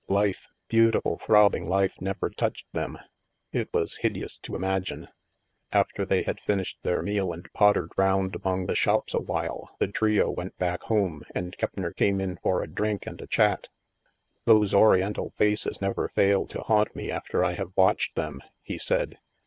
Life, beautiful throbbing life, never touched them. It was hideous to imagine. 152 THE MASK After they had finished their meal and pottered round among the shops awhile, the trio went back home, and Keppner came in for a drink and a chat. " Those oriental faces never fail to haunt me after I have watched them," he said.